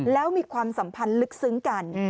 แล้วมีความสัมพันธ์ลึกซึ้งกัน